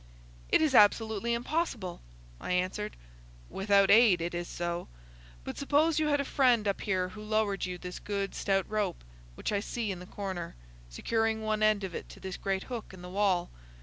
"It is absolutely impossible," I answered. "Without aid it is so. But suppose you had a friend up here who lowered you this good stout rope which I see in the corner, securing one end of it to this great hook in the wall.